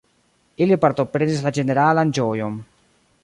Ili partoprenis la ĝeneralan ĝojon.